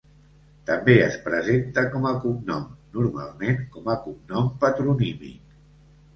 També es presenta com a cognom, normalment com a cognom patronímic.